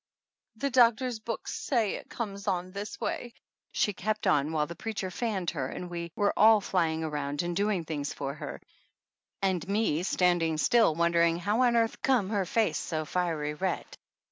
"The doctor's books say it comes on this way," she kept on, while the preacher fanned her and we were all flying around doing things for her, and me standing still wondering how on earth come her face so fiery red.